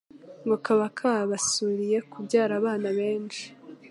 ngo kaba kabasuriye kubyara abana benshi